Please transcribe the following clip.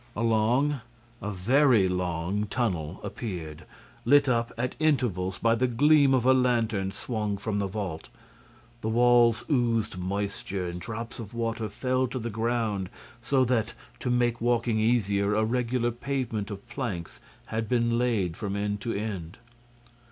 A long, a very long tunnel appeared, lit up at intervals by the gleam of a lantern swung from the vault. The walls oozed moisture and drops of water fell to the ground, so that, to make walking easier a regular pavement of planks had been laid from end to end.